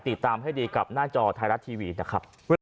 ติดตามให้ดีกับหน้าจอไทยรัฐทีวีนะครับ